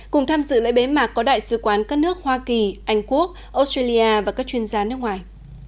cùng tham dự lễ bế mạc có đại sứ quán các nước hoa kỳ anh quốc australia và các chuyên gia nước ngoài